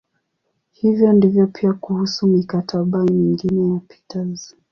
Hivyo ndivyo pia kuhusu "mikataba" mingine ya Peters.